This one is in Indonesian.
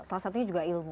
salah satunya juga ilmu